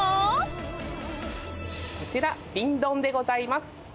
こちら瓶ドンでございます。